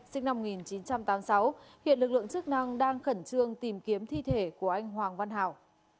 sinh năm một nghìn chín trăm tám mươi sáu hiện lực lượng chức năng đang khẩn trương tìm kiếm thi thể của anh hoàng văn hào